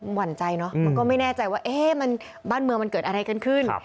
มันหวั่นใจเนอะมันก็ไม่แน่ใจว่าบ้านเมืองมันเกิดอะไรกันขึ้น